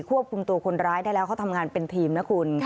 ควบคุมตัวคนร้ายได้แล้วเขาทำงานเป็นทีมนะคุณ